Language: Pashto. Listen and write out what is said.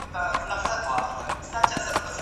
استاد راته وویل چي د څېړني په لاره کي تل ریښتنی اوسم.